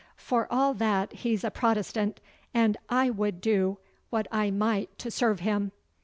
For all that he's a Protestant, and I would do what I might to serve him.